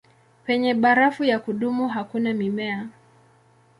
Penye barafu ya kudumu hakuna mimea.